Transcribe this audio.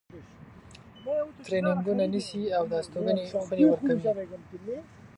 ترینینګونه نیسي او د استوګنې خونې ورکوي.